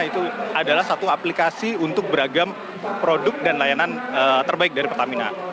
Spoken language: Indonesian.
itu adalah satu aplikasi untuk beragam produk dan layanan terbaik dari pertamina